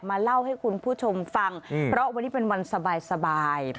เล่าให้คุณผู้ชมฟังเพราะวันนี้เป็นวันสบาย